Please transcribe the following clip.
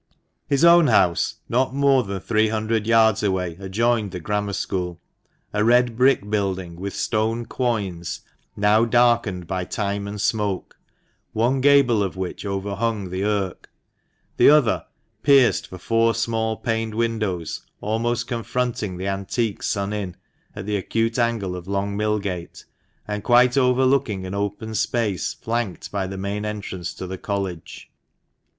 His own house, not more than three hundred yards away, adjoined the Grammar School, a red brick building, with stone quoins, now darkened by time and smoke, one gable of which overhung the Irk ; the other, pierced for four small paned windows, almost confronting the antique Sun Inn, at the acute angle of Long Millgate, and quite overlooking an open space, flanked by the main entrance to the College.